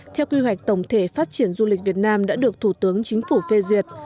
theo quy hoạch tổng thể phát triển du lịch việt nam đã được thủ tướng chính phủ phê duyệt